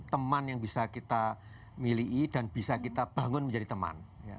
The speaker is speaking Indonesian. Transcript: teman yang bisa kita milih dan bisa kita bangun menjadi teman